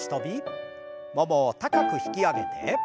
ももを高く引き上げて。